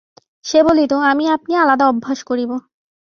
সে বলিত, আমি আপনি আলাদা অভ্যাস করিব।